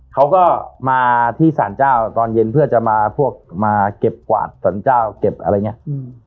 เขาก็มาที่สารเจ้าตอนเย็นเพื่อจะมาพวกมาเก็บกวาดสรรเจ้าเก็บอะไรอย่างเงี้ยอืม